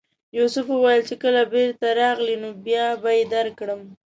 یوسف وویل چې کله بېرته راغلې نو بیا به یې درکړم.